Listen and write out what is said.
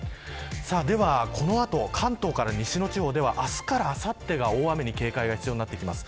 ではこの後、関東から西の地方では明日からあさってまでが大雨に警戒が必要です。